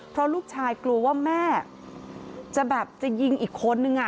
เพราะลูกชายกลัวว่าแม่จะแบบจะยิงอีกคนนึง